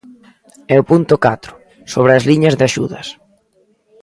E o punto catro: sobre as liñas de axudas.